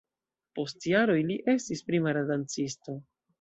Post jaroj li estis primara dancisto.